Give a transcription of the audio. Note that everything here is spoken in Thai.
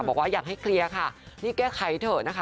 บอกว่าอยากให้เคลียร์ค่ะนี่แก้ไขเถอะนะคะ